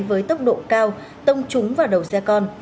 với tốc độ cao tông trúng vào đầu xe con